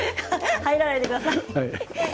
入らないでください。